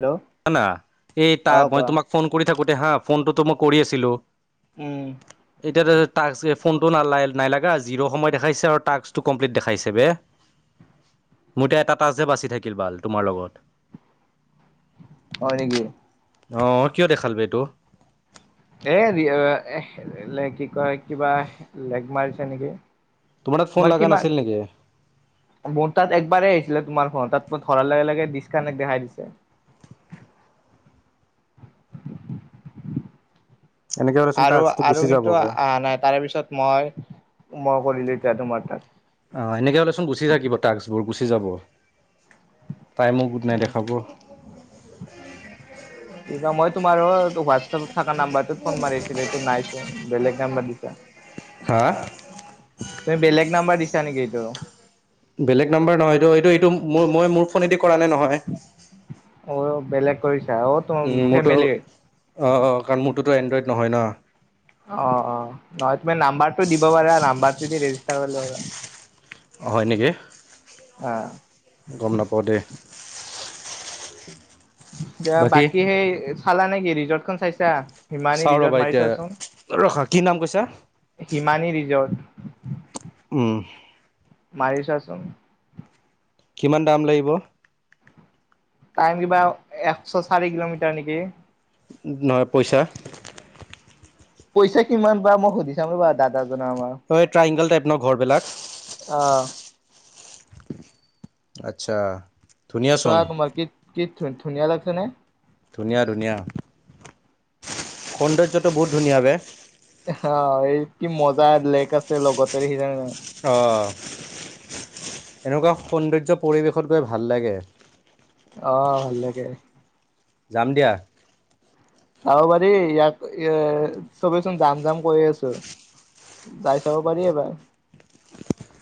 Hello [unintelligible] এই তা অ' মই কোৱা। তোমাক ফোন কৰি থাকোতে হা ফোনটোতো মই কৰি আছিলো উম। এতিয়া টাস্ক ফোনটো নাল নাই লাগা জিৰো সময় দেখাইছে আৰু টাস্কটো কমপ্লিট দেখাইছে বে। [inaudible] মোৰ এতিয়া এটা টাস্ক হে বাচি থাকিল বাল তোমাৰ লগত। হয় নেকি? অ কিয় দেখাল বে এইটো? এ কি কয় কিবা লেগ মাৰিছে নেকি। তোমাৰ তাত ফোন লগা নাছিল নেকি? মোৰ তাত একবাৰেই আহিছিলে তোমাৰ ফোন তাত মই ধৰাৰ লগে লগে ডিচকানেক্ট দেখাই দিছে। এনেকে হ'লেচোন আৰু টাস্কটো আৰু গুচি কিন্তু যাবগে। অহা নাই তাৰে পিছত মই মই কৰিলো এতিয়া তোমাৰ তাত। অ এনেকৈ হ'লেচোন গুচি থাকিব টাক্সবোৰ গুচি যাব, টাইমো গোট উম, নেদেখাব। কিবা মই তোমাৰো হোৱাটছএপত থকা নাম্বাৰটোত ফোন মাৰিছিলো এইটো নাইচোন বেলেগ নাম্বাৰ দিছা। হা? বেলেগ নাম্বাৰ দিছা নেকি এইটো? বেলেগ নাম্বাৰ নহয় এইটো এইটো এইটো মোৰ মই মোৰ ফোনেদি কৰা নাই নহয়। অ বেলেগ কৰিছা অ তুম মোৰতো ফেমিলিৰ? অ অ কাৰণ মোৰটোতো এণ্ড্ৰইড নহয় না। অ অ নহয় তুমি নাম্বাৰটো দিব পাৰা নাম্বাৰটো দি ৰেজিষ্টাৰ কৰিলে অ হয় নেকি? অ। গম নাপাওঁ দে। দিয়া বাকী সেই চালা নেকি? ৰিজৰ্টখন চাইছা? হিমানী চাও ৰিজৰ্ট ৰবা মাৰি এতিয়া, চোৱাচোন, ৰখা কি নাম কৈছা? হিমানী ৰিজৰ্ট। উম। মাৰি চাচোন। কিমান দাম লাগিব? টাইম কিবা একশ চাৰি কিলোমিটাৰ নেকি। উম নহয় পইচা পইচা কিমান বা মই সুধি চাম ৰ'বা দাদাজনৰ আমাৰ। হয়, ' ট্ৰায়ংগল টাইপ ন ঘৰবিলাক? অ'। আচ্ছা। ধুনীয়া চোৱা চোন তোমাৰ কি কি ধু ধুনীয়া লাগিছে নে? ধুনীয়া ধুনীয়া। সৌন্দৰ্যটো বহুত ধুনীয়া বে। এ হ, এই কি মজা লেক আছে লগতে দেখিছা নে নাই? অ', এনেকুৱা সৌন্দৰ্য পৰিৱেশত গৈ ভাল লাগে। অ' ভাল লাগে। যাম দিয়া। যাব পাৰি ইয়াক এ চবেইচোন জাম জাম কৈ আছো। যাই চাব পাৰি এবাৰ।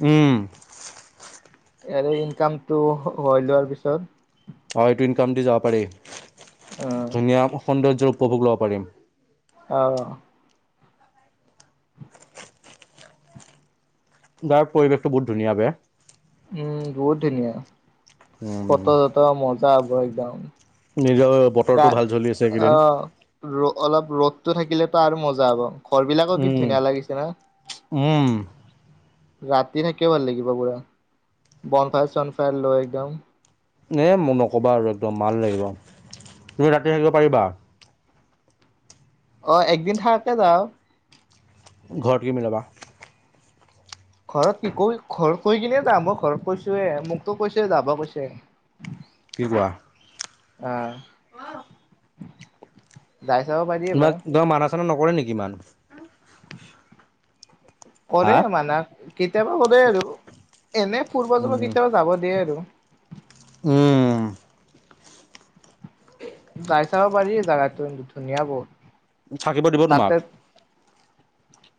উম। ইয়াৰে ইনকামটো খটম হৈ লোৱাৰ পিছত অ' এইটো ইনকাম দি যাব পাৰি, অ ধুনীয়া সৌন্দৰ্যৰ উপভোগ ল'ব পাৰিম। অ'। গাৱৰ পৰিৱেশটো বহুত ধুনীয়া বে'। উম বহুত ধুনীয়া, ফট উম - চটৰ মজা হ'ব একদম। নিজৰ গা বতৰটো ভাল চলি আছে অ এইকেইদিন। ৰ অলপ ৰ'দটো থাকিলেতো আৰু মজা হ'ব, ঘৰবিলাকো কি উম ধুনীয়া লাগিছে না? উম ৰাতি নে একেবাৰ লাগিব পুৰা। বন তাৰপিছত ফেন লৈ একদম এই মোৰ নক'বা আৰু একদম ভাল লাগিব, তুমি ৰাতি থাকিব পাৰিবা? অ একদিন থাকাকে যাও। ঘৰত কি মিলাবা। ঘৰত কি কৈ ঘৰত কৈ কিনে যাম, মই ঘৰত কৈছোৱে মোকতো কৈছোৱে যাব কৈছে। [unintelligible] কি কোৱা? আহ যাই চাব পাৰি। এবাৰ তোমাক কিবা মানা -চানা নকৰে নেকি ইমান? কৰে হা মানা, কেতিয়াবা কৰে আৰু এনে ফুৰব যাব উম কেতিয়াবা যাব দিয়ে আৰু। উম। যাই চাব পাৰি জাগাটো, ধুনীয়া বহুত। থাকিব দিব তোমাক? তাতে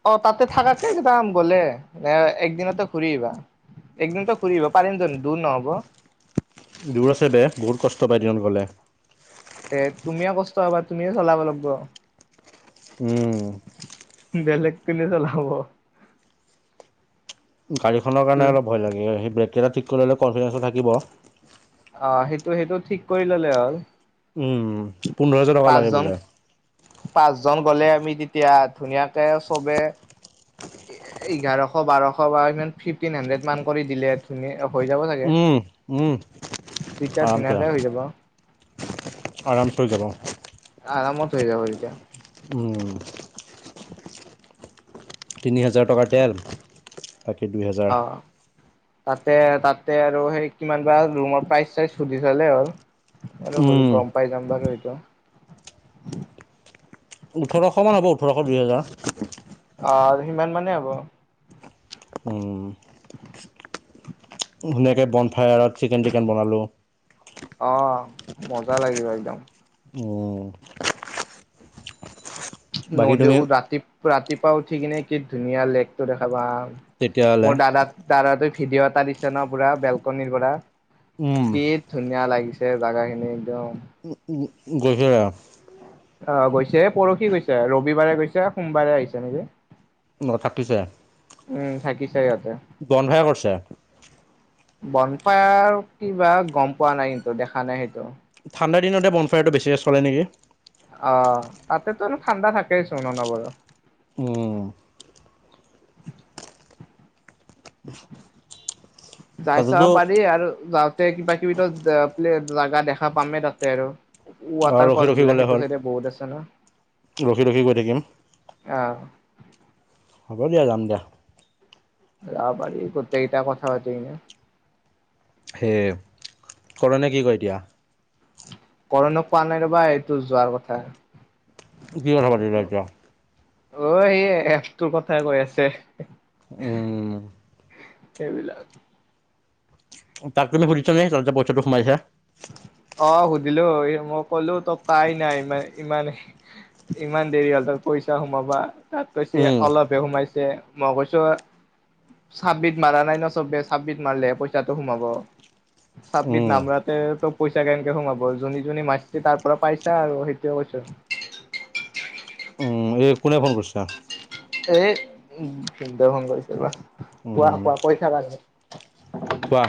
অ তাতে থাকাকে যাম গ'লে, নে একদিনতে ঘূৰি আহিবা? একদিনতো ঘূৰিব পাৰিম জানো দূৰ নহব? দূৰ আছে বে, বহুত কষ্ট পায় দিনত গ'লে। তে তুমিও কষ্ট হবা, তুমিয়ে চলাব লাগিব। উম। বেলেগ কোনে চলাব? গাড়ীখনৰ কাৰণে অলপ ভয় লাগে, সি ব্ৰেককেইটা ঠিক কৰি ল'লে কনফিডেঞ্চটো থাকিব। অ, সেইটো সেইটো ঠিক কৰি ললে হ'ল। উমঁ! পাঁচজন পাঁচজন গ'লে আমি তেতিয়া ধুনীয়াকে চবে- এ এঘাৰশ বাৰশ বা ইমান ফিফটিন হাড্ৰেড মান কৰি দিলে। ইনেই ধুনীয়া হৈ যাব চাগে উম উম তিতিয়া ধুনীয়াকৈ হৈ যাব। আৰাম তৈ যাব। আৰামত হৈ যাব এতিয়া। উমঁ! তিনি হাজাৰ টকাৰ তেল। বাকী দুই হাজাৰ। অঁ অঁ! তাতে তাতে আৰু সেই কিমান বা ৰুমৰ প্ৰাইচ চাইজ সুধি ললে হ'ল। আৰু সৰু উম গম পাই যাম বাৰু সেইটো। ওঠৰশ মান হ'ব ওঠৰশ দুইহেজাৰ। অঁ সিমান মানে হ'ব। ধুনীয়াকে বন ফ্ৰায়াৰ চিকেন টিকেন বনালোঁ। অঁ মজা লাগিব একদম। ওঁম। ওঁম। নদীও ৰাতি ৰাতিপুৱা উঠি কিনে কি ধুনীয়া লেকটো দেখা পাম। তেতিয়াহ'লে মোৰ দাদা দাদাটা ভিডিঅ' এটা দিছে ন পুৰা বেলকনিৰ পৰা। উম, কি ধুনীয়া লাগিছে জাগা খিনি একদম। ওঁম ওঁম গৈছে ৰাজ অঁ গৈছে পৰহি গৈছে ৰবিবাৰে গৈছে সোমবাৰে আহিছে নেকি? ন থাপিছে উম থাকিছে সিহঁতে বন হে কৰিছে? বন ফায়াৰ কিবা গম পোৱা নাই কিন্তু দেখা নাই সেইটো। ঠাণ্ডা দিনতে বনফায়াৰটো বেছি চলে নেকি? অঁ তাতেতো ঠাণ্ডা থাকেই চোন অলপ অলপ। উম, যাই তাতেতো চাব পাৰি আৰু যাওক। তাতে কিবা কিবি প্লে জেগা দেখা পামেই তাতে আৰু। অ' ৱাটাৰ ৰখি ফলছ ৰখি বিলাক গ'লে সেইটো হ'ল চাইড বহুত আছে ন। ৰখি ৰখি গৈ থাকিম অঁ। হ'ব দিয়া যাম দিয়া। জাৱ পাৰি গোটেইকেইটা কথা পাতি কিনে- হে ফৰনে কি কয় এতিয়া? কৰণক কোৱা নাই ৰবা এইটো যোৱাৰ কথা। কি কথা পাতিলা এতিয়া। অঁ হি এ'প টো কথাই কৈ আছে। উমঁ! সেইবিলাক। তাক তুমি সুধছাে নেকি যত যে পইচাটো সোমাইছে। অঁ সুধিলো মই কলো তই কাই নাই ইমান ইমান ইমান দেৰি হ'ল তাৰ পইচা সোমাবা। তাত কৈছে উম, অলপ হে সোমাইছে মই কৈছোঁ। চাবমিট মাৰা নাই ন চবে চাবমিট মাৰিলহে পইচাটো সোমাব চাবমিট উম, নামাৰা। তে পইচা কেনেকে সোমাব যোনী যোনী মাছে তাৰ পৰা পাইছা আৰু সেইটোয়ে কৈছোঁ। উম, এই কোনে ফোন কৰিছা এ উ ভিনদেউ ফোন কৰিছে ৰবা উম, কোৱা-কোৱা কৈ থাকা তুমি কোৱা?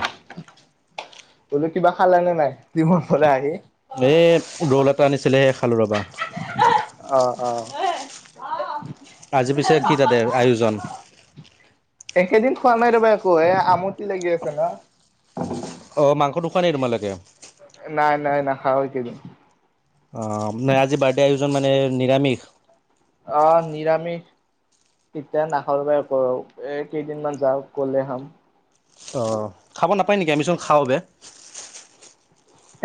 বোলো কিবা খালে নে নাই জিমৰ পৰা আহি? এই ৰ'ল এটা আনিছিলে সেই খালো ৰবা। অ-অ এই অ আজি পিছে কি তাতে আয়োজন? একেদিন খোৱা নাই ৰবা একো এ আমটি লাগি আছে ন' অ মাংস নোখোৱা নিকি তোমালোকে নাই-নাই নাখাওঁ এই কেইদিন। অ' মানে আজি বাৰ্থডে আয়োজন মানে নিৰামিষ? অ নিৰামিষ। তেতিয়া নাখৰ বাৰ কৰো এ কেইদিনমান যাওক গলে খাম। অঁ খাব নাপায় নেকি আমিচোন খাওঁ বে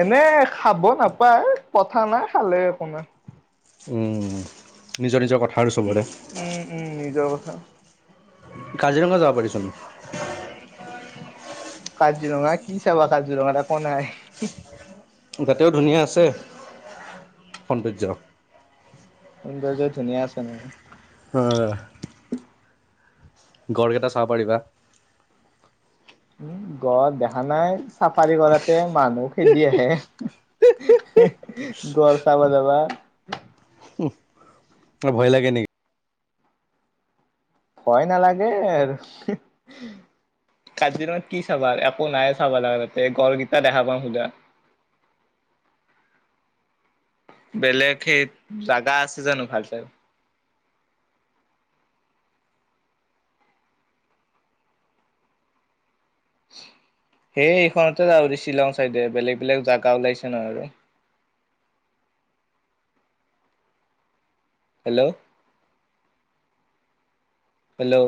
এনে খাব নাপায়, কথা নাই খালে একো নাই উম'নিজৰ-নিজৰ কথা আৰু চবৰে উম উম নিজৰ কথা। কাজিৰঙা যাব পাৰিচোন কাজিৰঙা কি চাবা? কাজিৰঙাত একো নাইয়েই। যাতেও ধুনীয়া আছে, সৌন্দৰ্য। সৌন্দৰ্য ধুনীয়া আছে নেকি? হুম। গঁড় কেইটা চাব পাৰিবা উম গঁড় দেখা নাই চাফাৰী কৰাতে মানুহ খেদি আহে। হেহে গঁড় চাব যাবা? ভয় লাগে নে ভয় নালাগে আৰু কাজিৰঙত কি চাবা আৰু একো নাই চাব লাগা তাতে গঁড়কেইটা দেখা পাওঁ সোধা। [inaudible] বেলেগ সেই জাগা আছে জানো ভাল চাই হেই এইখনতে যাবা দিছিল শ্বিলং চাইদে বেলেগ-বেলেগ জেগা ওলাইছে নহয় আৰু হেল্ল'? হেল্ল'?